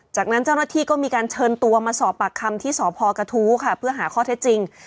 จากนั้นเจ้าหน้าที่ก็มีการเชิญตัวมาสอบปากคำที่สพกระทู้ค่ะเพื่อหาข้อเท็จจริง